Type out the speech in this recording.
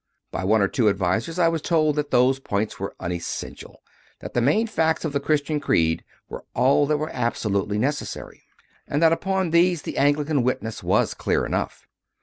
By one or two advisers I was told that those points were unessential; that the main facts of the Christian Creed were all that were absolutely necessary, and that upon these the Anglican witness was clear enough.